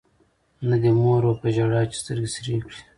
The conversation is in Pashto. نه دي مور وه په ژړا چي سترګي سرې کړي